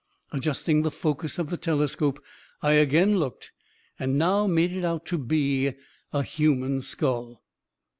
Adjusting the focus of the telescope, I again looked, and now made it out to be a human skull.